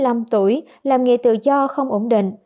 anh nguyễn chí tờ bốn mươi năm tuổi làm nghề tự do không ổn định